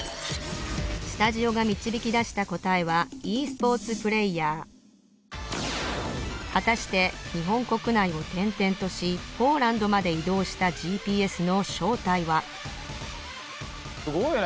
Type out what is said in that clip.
スタジオが導き出した答えはｅスポーツプレーヤーはたして日本国内を転々としポーランドまで移動したＧＰＳの正体はすごいね。